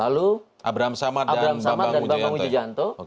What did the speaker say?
lalu abraham samad dan bambang ujjanto